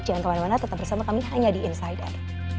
jangan kemana mana tetap bersama kami hanya di insider